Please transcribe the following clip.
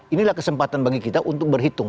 inilah kesempatan bagi kita untuk berhitung